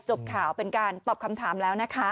จบข่าวเป็นการตอบคำถามแล้วนะคะ